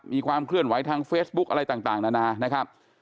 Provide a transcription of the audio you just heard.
มีความเคลื่อนไหวทางเฟซบุ๊กอะไรต่างนานานะครับ